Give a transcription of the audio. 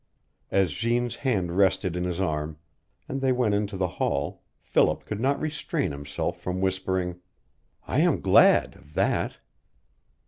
As Jeanne's hand rested in his arm, and they went into the hall, Philip could not restrain himself from whispering: "I am glad of that."